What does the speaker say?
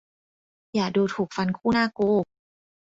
อย่าดูถูกฟันคู่หน้ากู !